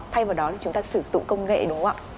thay vào đó thì chúng ta sử dụng công nghệ đúng không ạ